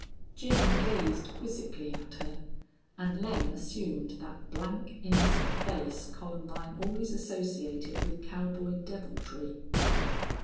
Jim gazed quizzically at her, and Lem assumed that blank, innocent face Columbine always associated with cowboy deviltry.